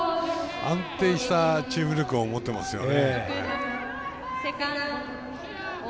安定したチーム力を持ってますよね。